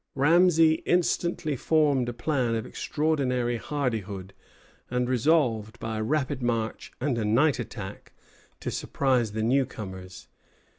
] Ramesay instantly formed a plan of extraordinary hardihood, and resolved, by a rapid march and a night attack, to surprise the new comers.